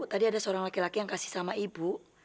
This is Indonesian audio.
tadi ada seorang laki laki yang kasih sama ibu